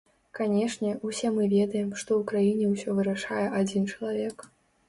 Канешне, усе мы ведаем, што ў краіне ўсё вырашае адзін чалавек.